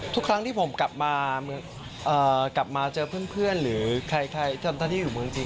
ทุกครั้งที่ผมกลับมาเจอเพื่อนหรือใครที่อยู่เมืองจีน